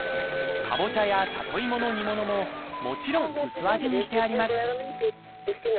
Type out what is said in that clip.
かぼちゃや里芋の煮物ももちろん薄味にしてあります